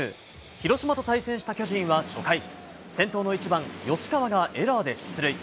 広島と対戦した巨人は初回、先頭の１番吉川がエラーで出塁。